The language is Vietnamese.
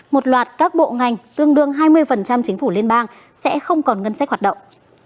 một loạt các bộ ngành tương đương hai mươi chính phủ liên bang sẽ không còn ngân sách hoạt động